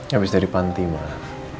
habis dari panti maaf